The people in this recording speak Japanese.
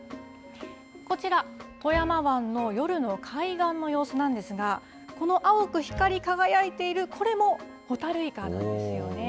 こちら、富山湾の夜の海岸の様子なんですが、この青く光り輝いている、これもホタルイカなんですよね。